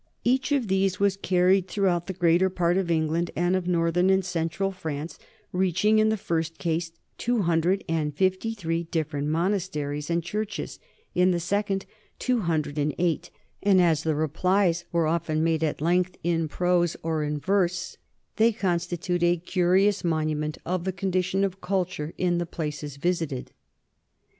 Each of these was carried throughout the greater part of England and of northern and central France, reaching in the first case two hundred and fifty three different monasteries and churches, in the second two hundred and eight, and as the replies were often made at some length in prose or NORMAN LIFE AND CULTURE 175 verse, they constitute a curious monument of the con dition of culture in the places visited.